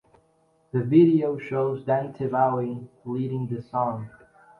The video shows Dante Bowe leading the song.